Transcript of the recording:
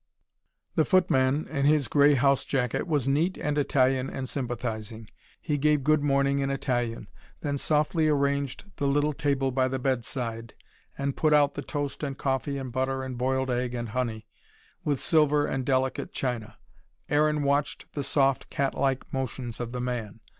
The footman in his grey house jacket was neat and Italian and sympathising. He gave good morning in Italian then softly arranged the little table by the bedside, and put out the toast and coffee and butter and boiled egg and honey, with silver and delicate china. Aaron watched the soft, catlike motions of the man.